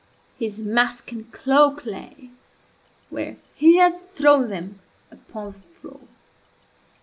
His mask and cloak lay, where he had thrown them, upon the floor.